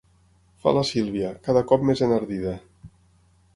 Fa la Sílvia, cada cop més enardida.